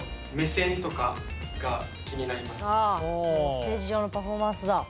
ステージ上のパフォーマンスだ。